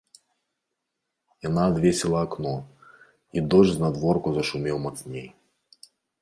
Яна адвесіла акно, і дождж знадворку зашумеў мацней.